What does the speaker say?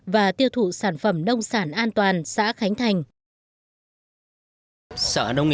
và tiêu thụ sản phẩm nông sản an toàn xã khánh thành